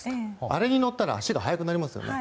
あれに乗ると足が速くなりますよね。